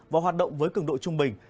và hoạt động với cường độ trung bình